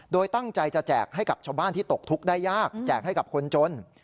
โดยตั้งใจจะแจกให้กับชาวบ้านที่ตกทุกข์ได้ยากแจกให้กับคนจน